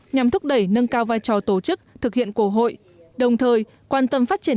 nhằm thúc đẩy nâng cao vai trò tổ chức thực hiện của hội đồng thời quan tâm phát triển